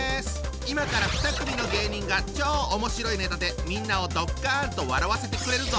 今から２組の芸人が超おもしろいネタでみんなをドッカンと笑わせてくれるぞ！